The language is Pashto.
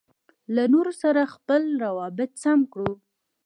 له نورو سره خپل روابط سم کړو.